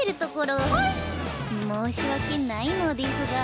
申し訳ないのですが。